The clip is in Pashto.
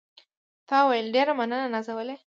تا وویل: ډېره مننه نازولې.